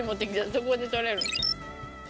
そこで取れる。